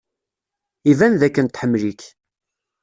Iban dakken tḥemmel-ik.